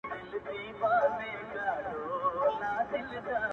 د خوار د ژوند كيسه ماتـه كړه